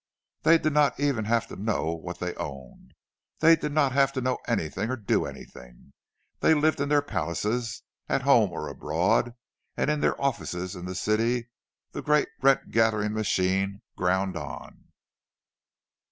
They did not even have to know what they owned; they did not have to know anything, or do anything—they lived in their palaces, at home or abroad, and in their offices in the city the great rent gathering machine ground on.